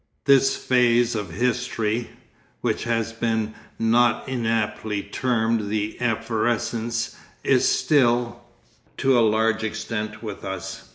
This phase of history, which has been not inaptly termed the 'Efflorescence,' is still, to a large extent, with us.